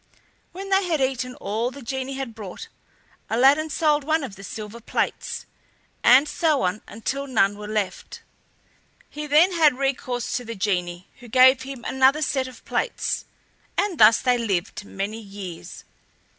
When they had eaten all the genie had brought, Aladdin sold one of the silver plates, and so on until none were left. He then had recourse to the genie, who gave him another set of plates, and thus they lived many years.